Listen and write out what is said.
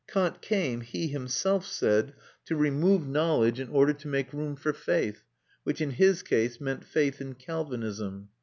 Kant came, he himself said, to remove knowledge in order to make room for faith, which in his case meant faith in Calvinism.